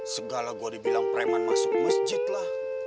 segala gua dibilang preman masuk masjid lah